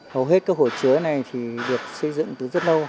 hầu hết các hồ chứa này thì được xây dựng từ rất lâu